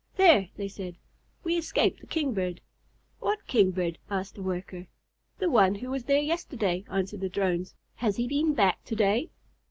"There!" they said; "we escaped the Kingbird." "What Kingbird?" asked a Worker. "The one who was there yesterday," answered the Drones. "Has he been back to day?"